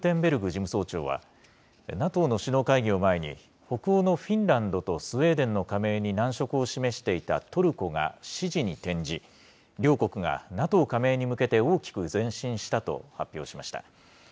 事務総長はＮＡＴＯの首脳会議を前に、北欧のフィンランドとスウェーデンの加盟に難色を示していたトルコが支持に転じ、両国がＮＡＴＯ加盟に向けて大きく前進したと発表しました。